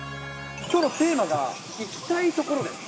きょうのテーマが、行きたいところです。